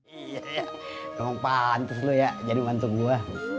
iya dong pantas lu ya jadi mantul gua